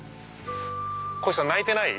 こひさん泣いてない？